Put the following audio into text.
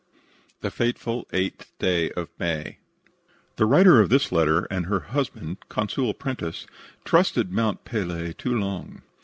THE FATEFUL EIGHTH OF MAY The writer of this letter and her husband, Consul Prentis, trusted Mont Pelee too long.